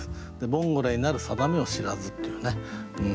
「ボンゴレになる定めを知らず」っていうね。